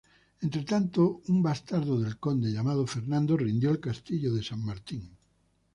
Entretanto, un bastardo del conde, llamado Fernando, rindió el castillo de San Martín.